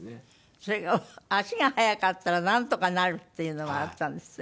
それから足が速かったらなんとかなるっていうのがあったんですって？